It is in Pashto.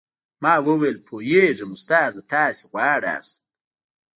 ما وويل پوهېږم استاده تاسې غواړاست.